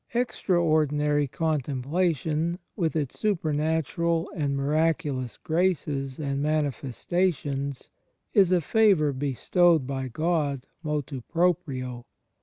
Extraordinary Contemplation with its supernatural and miraculous graces and manifestations is a favour bestowed by Gk)d moPu propria.